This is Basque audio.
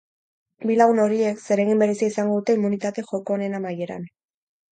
Bi lagun horiek zeregin berezia izango dute immunitate joko honen amaieran.